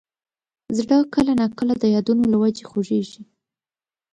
زړه کله نا کله د یادونو له وجې خوږېږي.